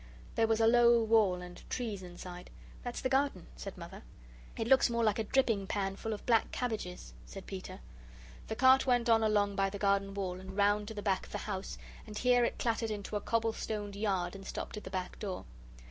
There was a low wall, and trees inside. "That's the garden," said Mother. "It looks more like a dripping pan full of black cabbages," said Peter. The cart went on along by the garden wall, and round to the back of the house, and here it clattered into a cobble stoned yard and stopped at the back door.